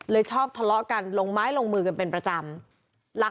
ชอบทะเลาะกันลงไม้ลงมือกันเป็นประจำ